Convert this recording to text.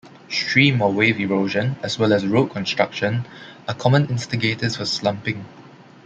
Stream or wave erosion, as well as road construction are common instigators for slumping.